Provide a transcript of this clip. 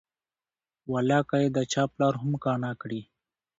والله که یې د چا پلار هم قانع کړي.